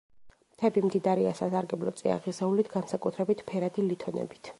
მთები მდიდარია სასარგებლო წიაღისეულით, განსაკუთრებით ფერადი ლითონებით.